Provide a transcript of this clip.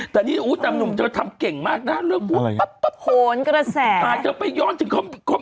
แต่สำหนุ่มจะดับเก่งมากนะหมดแบบฟ